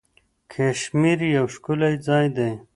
کشمیر یو ښکلی ځای دی.